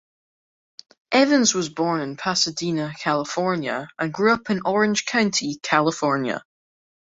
Evans was born in Pasadena, California and grew up in Orange County, California.